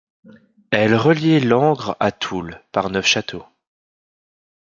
Elle reliait Langres à Toul par Neufchâteau.